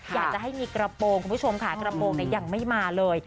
อยากจะให้มีกระโปรงคุณผู้ชมค่ะกระโปรงยังไม่มาเลย